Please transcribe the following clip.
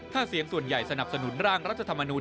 ถ้าเสียงส่วนใหญ่สนับสนุนร่างรัฐธรรมนูล